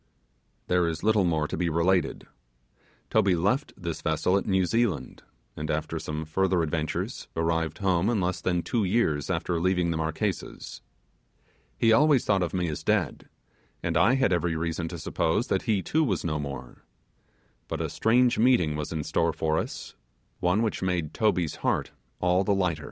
.... There is little more to be related. Toby left this vessel at New Zealand, and after some further adventures, arrived home in less than two years after leaving the Marquesas. He always thought of me as dead and I had every reason to suppose that he too was no more; but a strange meeting was in store for us, one which made Toby's heart all th